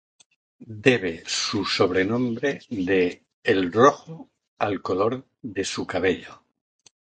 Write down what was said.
Debe su sobrenombre de "el rojo" al color de su cabello.